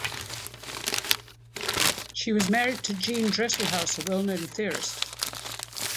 She was married to Gene Dresselhaus, a well-known theorist.